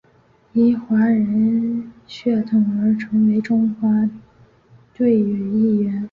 因华人血统而成为中华队一员。